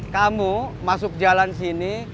kamu masuk jalan sini